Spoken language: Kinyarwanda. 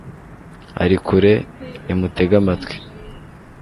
ari kure nimutege amatwi